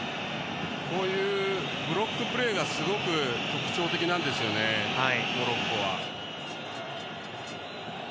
こういうブロックプレーがすごく特徴的なんですよねモロッコは。